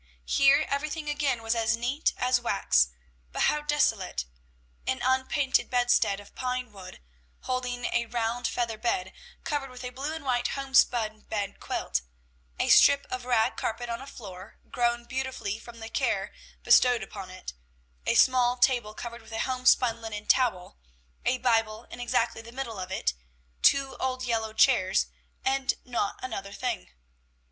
Here everything again was as neat as wax, but how desolate! An unpainted bedstead of pine wood, holding a round feather bed covered with a blue and white homespun bed quilt; a strip of rag carpet on a floor grown beautiful from the care bestowed upon it; a small table covered with a homespun linen towel, a Bible in exactly the middle of it; two old yellow chairs, and not another thing.